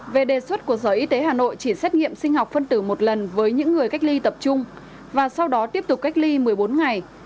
về đề xuất của sở y tế hà nội chỉ xét nghiệm sinh học phân tử một lần với những người cách ly tập trung và sau đó tiếp tục cách ly một mươi bốn ngày